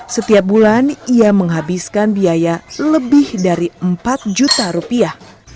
setiap bulan ia menghabiskan biaya lebih dari empat juta rupiah